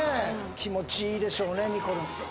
気持ちいいでしょうねにこるん